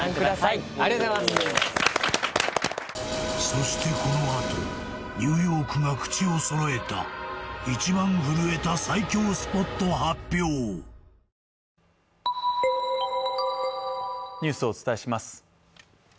そしてこのあとニューヨークが口を揃えた一番震えた最恐スポット発表ニュースをお伝えします